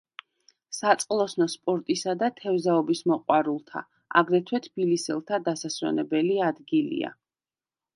საწყლოსნო სპორტისა და თევზაობის მოყვარულთა, აგრეთვე თბილისელთა დასასვენებელი ადგილია.